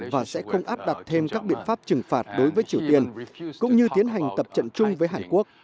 và sẽ không áp đặt thêm các biện pháp trừng phạt đối với triều tiên cũng như tiến hành tập trận chung với hàn quốc